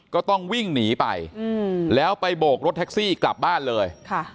ก็ต้องวิ่งหนีไปแล้วไปโบกรถแท็กซี่กลับบ้านเลย